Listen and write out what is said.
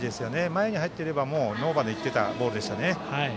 前に入っていればノーバンでいっていたボールです。